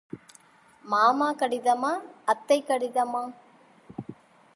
மாமா கடிதமா, அத்தை கடிதமா?